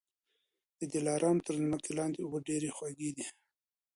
د دلارام تر مځکې لاندي اوبه ډېري خوږې دي